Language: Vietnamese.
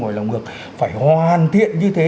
ngồi lòng ngược phải hoàn thiện như thế